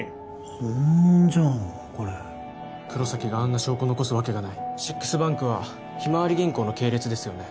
本物じゃんこれ黒崎があんな証拠残すわけがないシックスバンクはひまわり銀行の系列ですよね